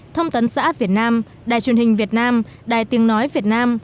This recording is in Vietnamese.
thông tấn xã việt nam đài truyền hình việt nam đài tiếng nói việt nam